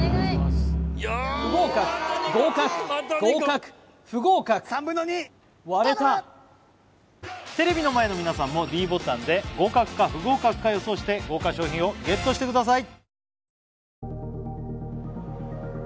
不合格合格合格不合格割れたテレビの前の皆さんもｄボタンで合格か不合格か予想して豪華賞品をＧＥＴしてください